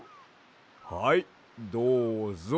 はいどうぞ。